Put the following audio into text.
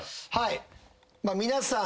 皆さん。